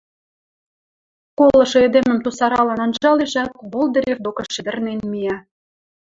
Колышы эдемӹм тусаралын анжалешӓт, Болдырев докы шӹдӹрнен миӓ.